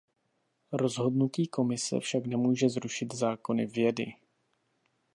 Rozhodnutí Komise však nemůže zrušit zákony vědy.